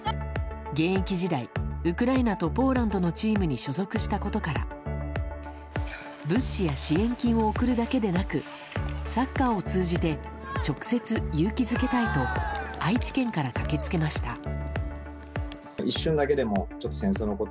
現役時代、ウクライナとポーランドのチームに所属したことから物資や支援金を送るだけでなくサッカーを通じて直接、勇気づけたいと愛知県から駆け付けました。